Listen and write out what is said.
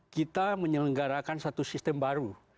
kita menyelenggarakan satu sistem baru